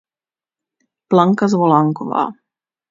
Blanka Zvolánková.